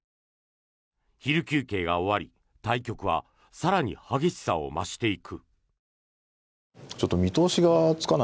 昼休憩が終わり対局は更に激しさを増していく。